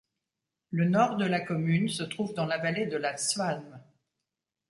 Le nord de la commune se trouve dans la vallée de la Zwalm.